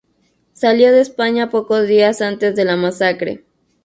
Salió de España pocos días antes de la masacre.